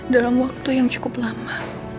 dalam waktu yang cukup lama